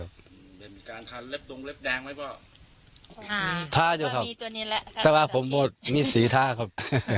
ท่าท่าอยู่ครับแต่ว่าผมหมดนี่สีท่าครับ